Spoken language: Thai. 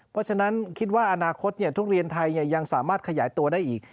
เพราะฉะนั้นคิดว่าอนาคตทุเรียนไทยยังสามารถขยายตัวได้อีก